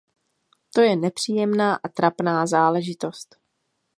To je nepříjemná a trapná záležitost.